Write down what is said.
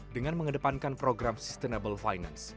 dengan mengedepankan program sustainable finance